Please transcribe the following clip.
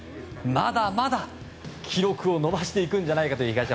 まだまだ記録を伸ばしていくんじゃないかと。